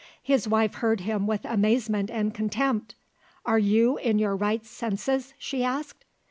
His wife heard him with amazement and contempt. "Are you in your right senses?" she asked.